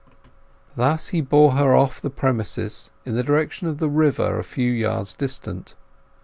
Thus he bore her off the premises in the direction of the river a few yards distant.